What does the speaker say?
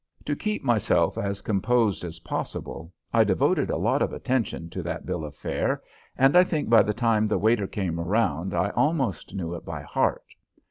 To keep myself as composed as possible, I devoted a lot of attention to that bill of fare, and I think by the time the waiter came around I almost knew it by heart.